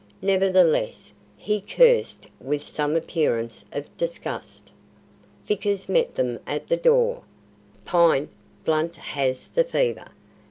Nevertheless, he cursed with some appearance of disgust. Vickers met them at the door. "Pine, Blunt has the fever.